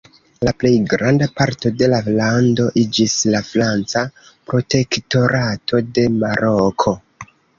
La plej granda parto de la lando iĝis la Franca protektorato de Maroko.